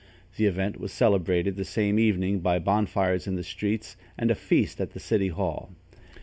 The event was celebrated the same evening by bonfires in the streets and a feast at the city hall.